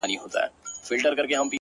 زيرى د ژوند-